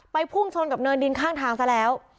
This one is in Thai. พุ่งชนกับเนินดินข้างทางซะแล้ว